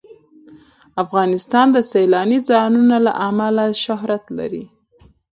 افغانستان د سیلانی ځایونه له امله شهرت لري.